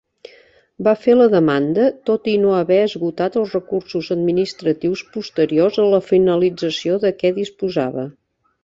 Va fer la demanda, tot i no haver esgotat els recursos administratius posteriors a la finalització de què disposava.